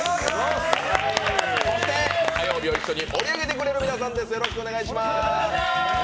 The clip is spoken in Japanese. そして火曜日を一緒に盛り上げてくれる皆さんです。